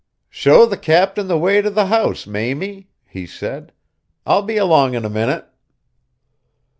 "Show the captain the way to the house, Mamie," he said. "I'll be along in a minute."